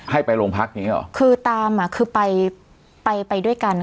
ให้ไปโรงพักอย่างเงี้หรอคือตามอ่ะคือไปไปด้วยกัน